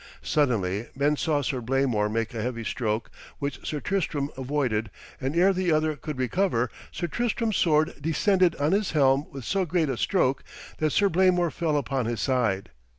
Suddenly men saw Sir Blamor make a heavy stroke which Sir Tristram avoided, and ere the other could recover, Sir Tristram's sword descended on his helm with so great a stroke that Sir Blamor fell upon his side.